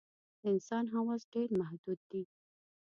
د انسان حواس ډېر محدود دي.